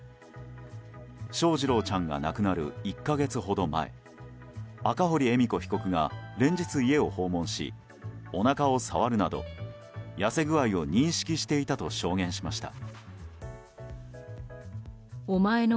翔士郎ちゃんが亡くなる１か月ほど前赤堀恵美子被告が連日、家を訪問しおなかを触るなど痩せ具合を認識していたと証言しました。